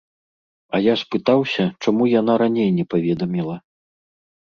А я спытаўся, чаму яна раней не паведаміла.